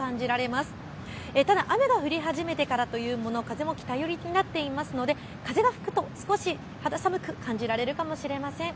ですが雨が降り始めてから風も北寄りになっているので風が吹くと少し肌寒く感じられるかもしれません。